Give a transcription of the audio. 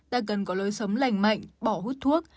ta cần có lối sống lành mạnh bỏ hút thuốc